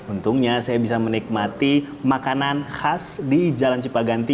untungnya saya bisa menikmati makanan khas di jalan cipaganti